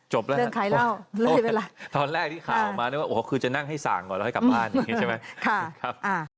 จบแล้วครับตอนแรกที่ข่าวมาคือจะนั่งให้สั่งก่อนแล้วให้กลับบ้านใช่ไหมครับ